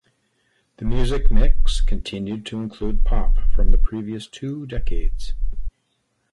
The music mix continued to include pop from the previous two decades.